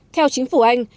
theo chính phủ anh